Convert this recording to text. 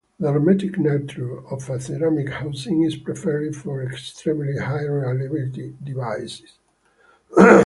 The hermetic nature of a ceramic housing is preferred for extremely high reliability devices.